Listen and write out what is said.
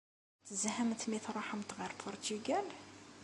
Tezhamt mi tṛuḥemt ɣer Puṛtugal?